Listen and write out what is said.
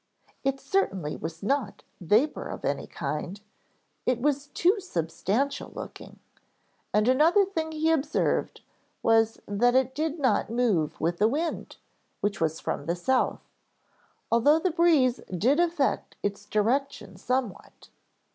It certainly was not vapor of any kind, it was too substantial looking, and another thing he observed was that it did not move with the wind, which was from the south, although the breeze did affect its direction somewhat.